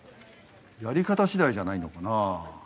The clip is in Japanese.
やり方しだいじゃないのかな。